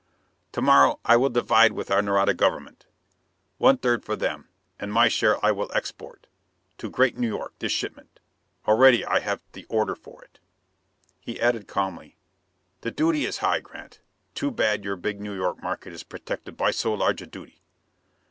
"To morrow I will divide with our Nareda government. One third for them. And my own share I will export: to Great New York, this shipment. Already I have the order for it." He added calmly, "The duty is high, Grant. Too bad your big New York market is protected by so large a duty.